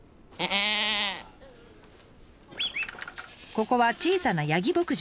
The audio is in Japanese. ここは小さなヤギ牧場。